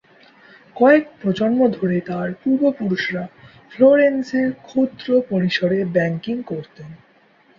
কয়েক প্রজন্ম ধরে তার পূর্বপুরুষরা ফ্লোরেন্সে ক্ষুদ্র পরিসরে ব্যাংকিং করতেন।